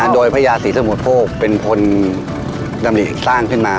โดยพระยาสีสัมวโพธิเป็นคนนำลีสร้างขึ้นมา